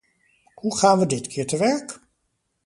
Hoe gaan we dit keer te werk?